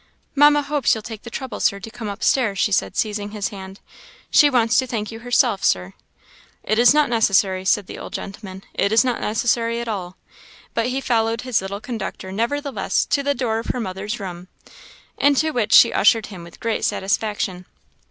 "Mamma hopes you'll take the trouble, Sir, to come up stairs," she said, seizing his hand; "she wants to thank you herself, Sir." "It is not necessary," said the old gentleman "it is not necessary at all;" but he followed his little conductor, nevertheless, to the door of her mother's room, into which she ushered him with great satisfaction.